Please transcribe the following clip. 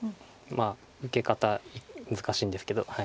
受け方難しいんですけど。